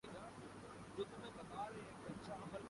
اس سطح کا تعامل نہیں کر رہا اس وقت